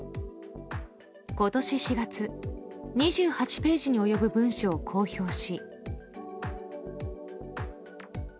今年４月２８ページに及ぶ文書を公表し。